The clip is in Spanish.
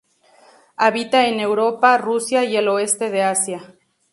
Habita en Europa, Rusia y el oeste de Asia.